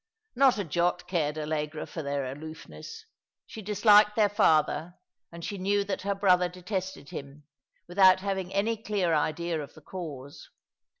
Not a jot cared Allegra for their aloofness. She disliked their father, and she knew that her brother detested him, without having any clear idea of the cause.